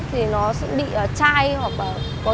thì nó sẽ bị chai hoặc là bị chạy